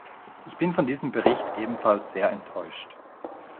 Ich bin von diesem Bericht ebenfalls sehr enttäuscht.